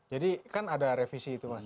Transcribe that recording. jadi kan ada revisi itu mas